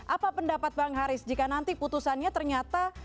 apa pendapat bang haris jika nanti putusannya ternyata